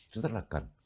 rất là cần